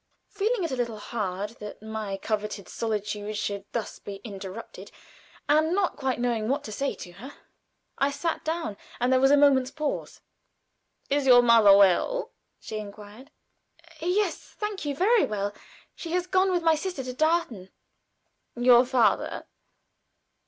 Feeling it a little hard that my coveted solitude should thus be interrupted, and not quite knowing what to say to her, I sat down and there was a moment's pause. "Is your mother well?" she inquired. "Yes, thank you, very well. She has gone with my sister to Darton." "Your father?"